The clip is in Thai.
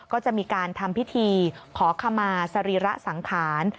ก็จะมีการทำพิธีขอขมาสรีระสังขาร